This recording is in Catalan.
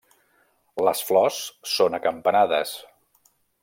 Les flors són acampanades.